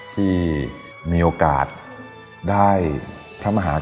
ที่มีโอกาสได้พระมหากษ